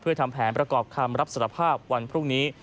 เพื่อทำแผนประกอบคำรับสารภาพวันพรุ่งนี้